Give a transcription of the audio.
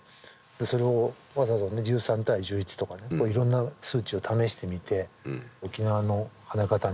それをわざわざ１３対１１とかねいろんな数値を試してみて沖縄の跳ね方に近いなとかね